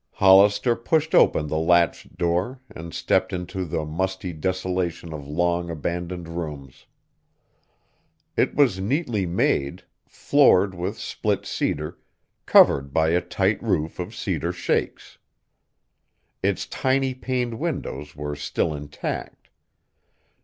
Hollister pushed open the latched door and stepped into the musty desolation of long abandoned rooms. It was neatly made, floored with split cedar, covered by a tight roof of cedar shakes. Its tiny paned windows were still intact.